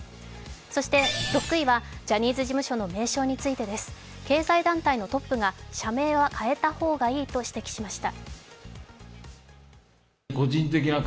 そして６位はジャニーズ事務所の名称についてです。経済団体のトップが社名は変えた方がいいとしました。